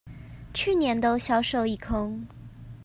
去年都銷售一空